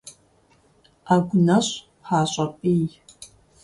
Ӏэгу нэщӀ пащӀэ пӀий.